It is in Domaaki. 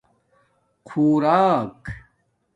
خُوراک